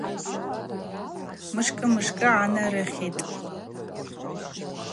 Мшкӏы мшкӏы гӏанарихитӏ.